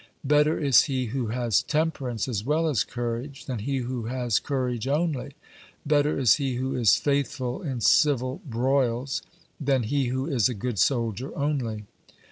Better is he who has temperance as well as courage, than he who has courage only; better is he who is faithful in civil broils, than he who is a good soldier only.